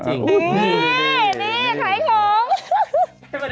นี่นี่ใครของ